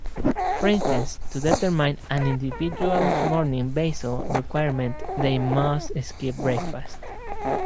For instance, to determine an individual's morning basal requirement, they must skip breakfast.